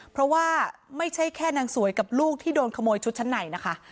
เพราะว่าไม่ใช่แค่นางสวยกับลูกที่โดนขโมยชุดชั้นในนะคะ